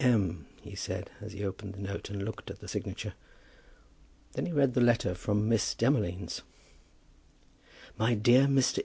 M.," he said, as he opened the note and looked at the signature. Then he read the letter from Miss Demolines. MY DEAR MR.